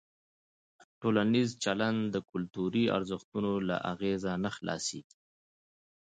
ټولنیز چلند د کلتوري ارزښتونو له اغېزه نه خلاصېږي.